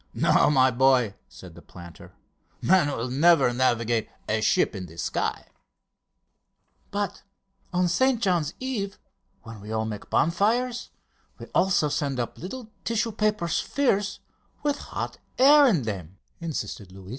"No, my boy," said the planter; "man will never navigate a ship in the sky." "But on St John's Eve, when we all make bonfires, we also send up little tissue paper spheres with hot air in them," insisted Luis.